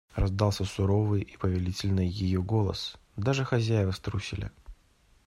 Раздался суровый и повелительный ее голос; даже хозяева струсили.